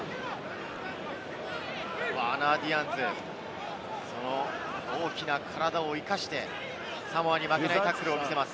ワーナー・ディアンズ、大きな体を生かして、サモアに負けないタックルを見せます。